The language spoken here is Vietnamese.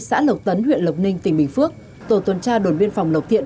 xã lộc tấn huyện lộc ninh tỉnh bình phước tổ tuần tra đồn biên phòng lộc thiện